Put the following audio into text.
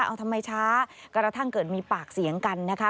เอาทำไมช้ากระทั่งเกิดมีปากเสียงกันนะคะ